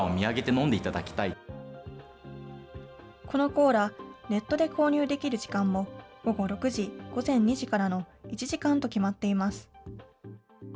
このコーラ、ネットで購入できる時間も、午後６時、午前２時からの１時間と決まっています。